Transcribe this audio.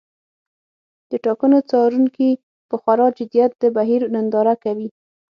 د ټاکنو څارونکي په خورا جدیت د بهیر ننداره کوي.